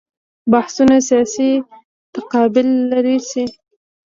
بحثونه سیاسي تقابل لرې شي.